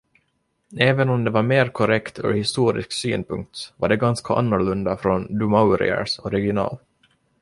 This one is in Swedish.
Även om det var mer korrekt ur historisk synpunkt var det ganska annorlunda från Du Mauriers original.